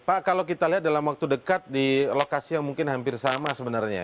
pak kalau kita lihat dalam waktu dekat di lokasi yang mungkin hampir sama sebenarnya